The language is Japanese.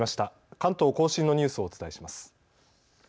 関東甲信のニュースをお伝えします。